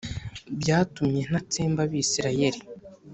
Byatumye ntatsemba abisirayeli